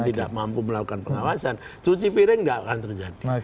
tidak mampu melakukan pengawasan cuci piring tidak akan terjadi